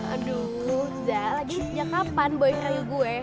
aduh zak lagi sejak kapan boy rayu gue